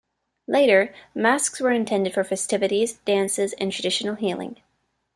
Later masks were intended for festivities, dances, and traditional healing.